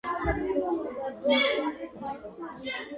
ამ გადაწყვეტილებას სიხარულით შეხვდა ქალის მამაც.